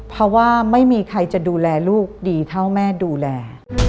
เพราะว่าไม่มีใครจะดูแลลูกดีเท่าแม่ดูแล